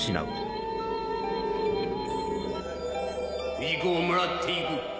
不二子をもらっていく。